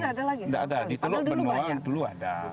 tidak ada di teluk benua dulu ada